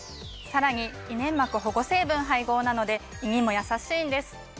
さらに胃粘膜保護成分配合なので胃にもやさしいんです。